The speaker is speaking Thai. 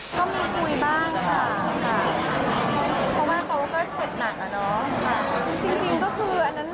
ก็มีคุยบ้างค่ะ